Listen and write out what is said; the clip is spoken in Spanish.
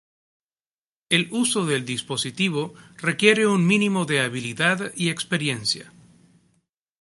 El uso del dispositivo requiere un mínimo de habilidad y experiencia.